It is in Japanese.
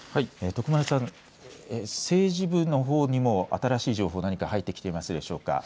徳丸さん、政治部のほうにも新しい情報、何か入ってきていますでしょうか。